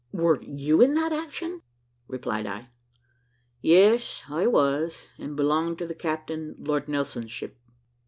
were you in that action?" replied I. "Yes, I was, and belonged to the Captain, Lord Nelson's ship."